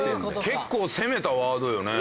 結構攻めたワードよね。